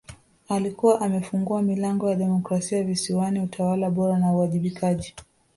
Alikuwa amefungua milango ya demokrasia Visiwani utawala bora na uwajibikaji